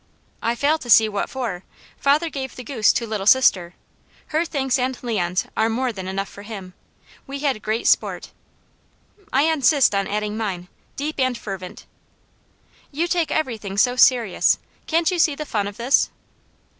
"I fail to see what for. Father gave the goose to Little Sister. Her thanks and Leon's are more than enough for him. We had great sport." "I insist on adding mine. Deep and fervent!" "You take everything so serious. Can't you see the fun of this?"